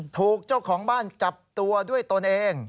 ถูกเจ้าของบ้านจับตัวด้วยตนเอง